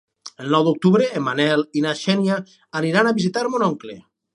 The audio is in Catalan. El nou d'octubre en Manel i na Xènia aniran a visitar mon oncle.